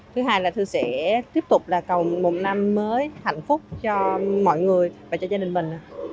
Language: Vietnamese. thứ hai là thư sẽ tiếp tục là cầu một năm mới hạnh phúc cho mọi người và cho gia đình mình